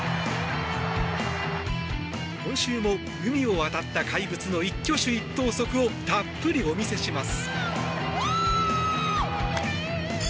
今週も海を渡った怪物の一挙手一投足をたっぷりお見せします。